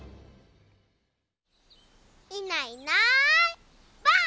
いないいないばあっ！